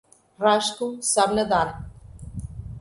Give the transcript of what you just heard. Rasko sabe nadar.